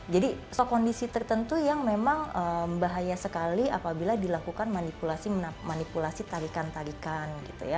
jadi kondisi tertentu yang memang bahaya sekali apabila dilakukan manipulasi tarikan tarikan